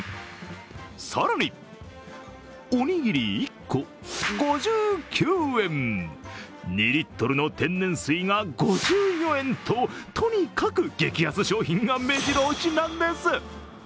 更に、おにぎり１個５９円、２リットルの天然水が５４円ととにかく激安商品がめじろ押しなんです。